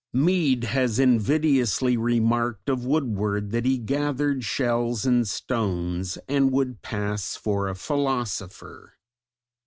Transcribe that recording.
Mead has invidiously remarked of Woodward that he gathered shells and stones, and would pass for a philosopher.